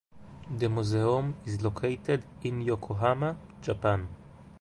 The museum is located in Yokohama, Japan.